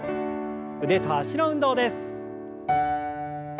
腕と脚の運動です。